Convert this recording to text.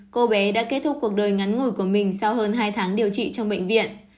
cô bé đã kết thúc cuộc đời ngắn ngủi của mình sau hơn hai tháng điều trị trong bệnh viện